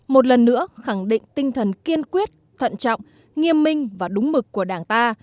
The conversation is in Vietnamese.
một lần nữa khẳng định tinh thần kiên quyết thận trọng nghiêm minh và đúng mực của đảng ta